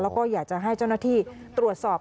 แล้วก็อยากจะให้เจ้าหน้าที่ตรวจสอบ